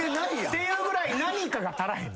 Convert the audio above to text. っていうぐらい何かが足らへん。